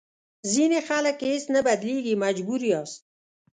ځینې خلک هېڅ نه بدلېږي مجبور یاست.